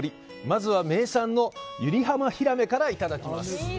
まずは、名産の湯梨浜ひらめからいただきます。